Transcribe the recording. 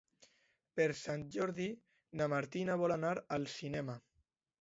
Per Sant Jordi na Martina vol anar al cinema.